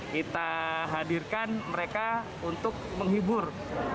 kita hadirkan mereka untuk menghibur